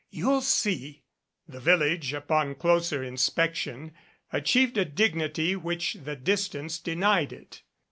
You'll see." The village upon closer inspection achieved a dignity which the distance denied it.